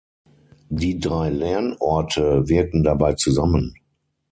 Die drei Lernorte wirken dabei zusammen.